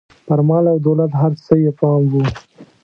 پر مال او دولت هر څه یې پام و.